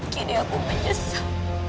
kini aku menyesal